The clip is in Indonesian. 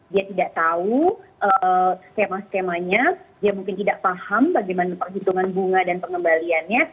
dia tidak tahu skema skemanya dia mungkin tidak paham bagaimana perhitungan bunga dan pengembaliannya